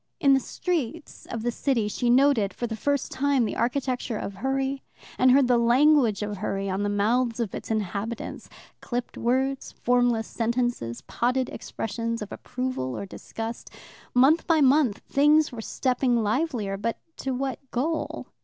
In the streets of the city she noted for the first time the architecture of hurry, and heard the language of hurry on the mouths of its inhabitants clipped words, formless sentences, potted expressions of approval or disgust. Month by month things were stepping livelier, but to what goal?